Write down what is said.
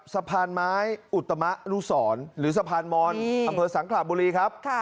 สะพานไม้อุตมะนุสรหรือสะพานมอนอำเภอสังขระบุรีครับ